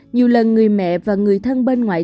nhiều lần người mẹ và người thân bên ngoại